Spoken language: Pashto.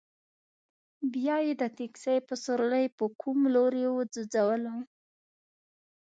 بیا یې د تکسي په سورلۍ په کوم لوري ځوځولو.